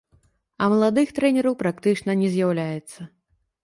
А маладых трэнераў практычна не з'яўляецца.